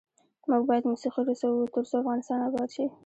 موږ باید موسیقي رسوو ، ترڅو افغانستان اباد شي.